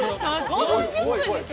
５分１０分でしょ？